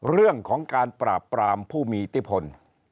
เรื่องของการปราบปรามผู้มีอิทธิพล